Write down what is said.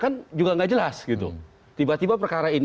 tidak jelas gitu tiba tiba perkara ini